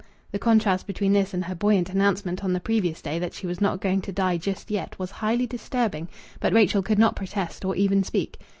The contrast between this and her buoyant announcement on the previous day that she was not going to die just yet was highly disturbing, but Rachel could not protest or even speak.